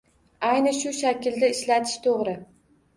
Ayni shu shaklda ishlatish toʻgʻri